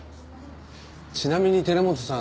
ちなみに寺本さん